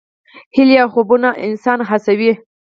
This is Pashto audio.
هیلې او خوبونه انسان هڅوي.